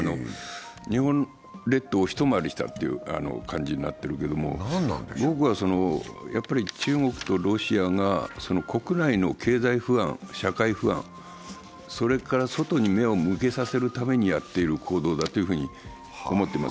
日本列島を一回りした感じになってるけど僕は中国とロシアが国内の経済不安、社会不安、それから外に目を向けさせるためにやっている行動だと思っています。